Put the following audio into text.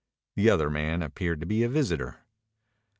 The other man appeared to be a visitor.